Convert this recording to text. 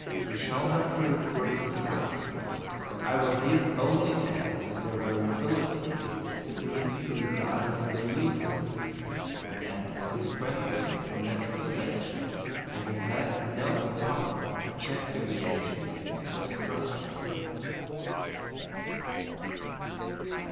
We shall have to recur to this subject; and I will here only add that their variability seems to result from their uselessness, and consequently from natural selection having had no power to check deviations in their structure.